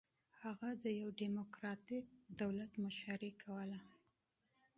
هغه د یوه ډیموکراټیک دولت مشري کوله.